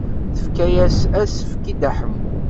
Tefka-as asefk i Dda Ḥemmu.